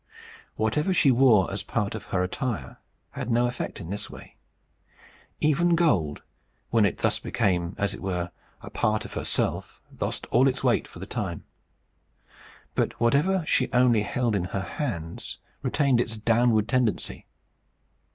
Whatever she wore as part of her attire had no effect in this way: even gold, when it thus became as it were a part of herself, lost all its weight for the time. But whatever she only held in her hands retained its downward tendency.